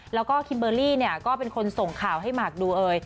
แล้วก็คิมเบอร์รี่เนี่ยก็เป็นคนส่งข่าวให้หมากดูเอ่ย